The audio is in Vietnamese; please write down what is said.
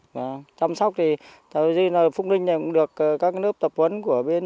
và chăm sóc thì tạo ra như là phúc ninh này cũng được các nước tập huấn của bên